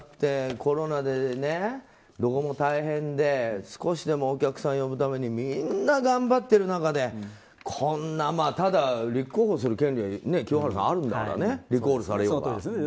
コロナでどこも大変で少しでもお客さんを呼ぶためにみんな頑張ってる中でこんなただ、立候補する権利は清原さんあるんだからねリコールされようが。